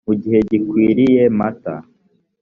mu gihe gikwiriye mat